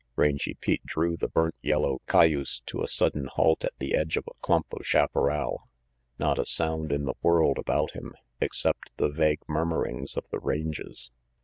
Rangy Pete drew the burnt yellow cayuse to a sudden halt at the edge of a clump of chaparral. Not a sound in the world about him, except the vague murmurings of the ranges.